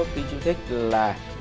tuy chú thích là